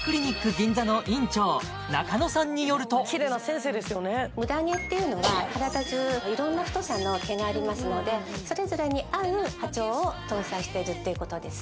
銀座の院長中野さんによるとムダ毛っていうのは体じゅういろんな太さの毛がありますのでそれぞれに合う波長を搭載してるっていうことです